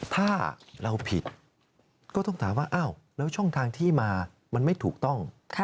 ถ้าเราผิดก็ต้องถามว่าอ้าวแล้วช่องทางที่มามันไม่ถูกต้อง